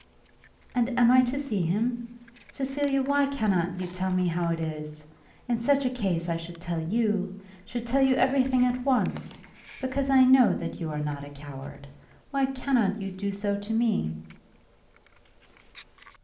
"And am I to see him? Cecilia, why cannot you tell me how it is? In such a case I should tell you, should tell you everything at once; because I know that you are not a coward. Why cannot you do so to me?"